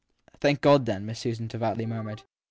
Thank God, then ! Miss Susan devoutly murmured.